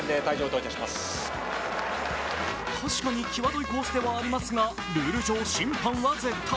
確かにきわどいコースではありますがルール上、審判は絶対。